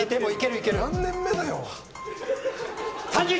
何年目だよ。